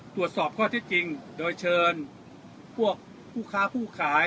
ตรวจสอบข้อที่จริงโดยเชิญพวกผู้ค้าผู้ขาย